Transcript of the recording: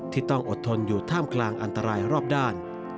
ที่ต้องอดทนอยู่ท่ามกลางอันตรายรอบด้าน